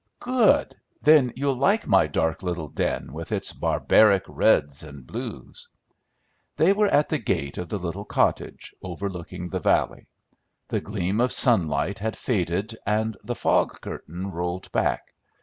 "Good! Then you'll like my dark little den, with its barbaric reds and blues." They were at the gate of the little cottage, overlooking the valley. The gleam of sunlight had faded and the fog curtain rolled back.